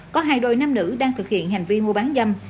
có hai đôi nam nữ đang thực hiện hành vi mua bán dâm